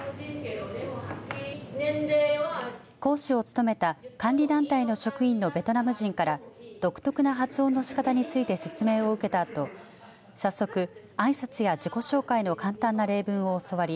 講師を務めた管理団体の職員のベトナム人から独特な発音の仕方について説明を受けたあと早速、あいさつや自己紹介の簡単な例文を教わり